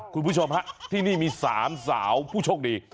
คุณผู้ชมฮะที่นี่มี๓สาวผู้โชคดี